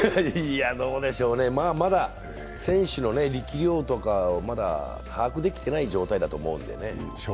どうでしょうね、選手の力量とかをまだ把握できていない状況だと思うんでね。